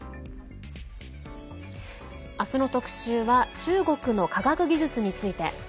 明日の特集は中国の科学技術について。